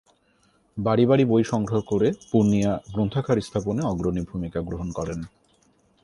বাড়ি বাড়ি বই সংগ্রহ করে পূর্ণিয়া গ্রন্থাগার স্থাপনে অগ্রণী ভূমিকা গ্রহণ করেন।